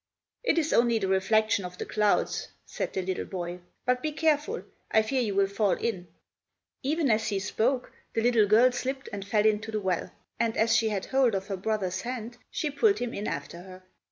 "It is only the reflection of the clouds," said the little boy. "But be careful. I fear you will fall in." Even as he spoke the little girl slipped and fell into the well, and as she had hold of her brother's hand she pulled him in after her.